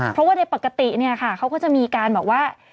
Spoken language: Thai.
เพราะว่าในปกติเนี่ยค่ะเขาก็จะมีการบอกว่า